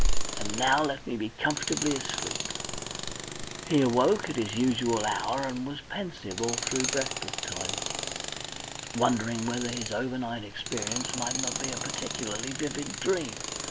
"And now let me be comfortably asleep..." He awoke at his usual hour and was pensive all through breakfast time, wondering whether his over night experience might not be a particularly vivid dream.